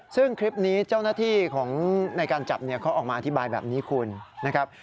ซึ่งคลิปนี้เจ้าหน้าที่ของในการจับเนี่ยเขาออกมาอธิบายแบบนี้คุณนะครับ